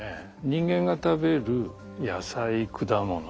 人間が食べる野菜果物。